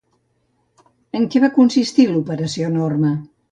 En què va consistir l'Operació Norma?